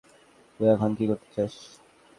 তুই এখন কি করতে চাস?